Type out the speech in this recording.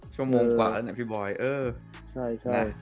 ชั่วโมงกว่าแล้วเนี่ยพี่บอย